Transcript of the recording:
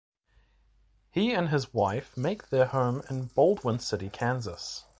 He and his wife make their home in Baldwin City, Kansas.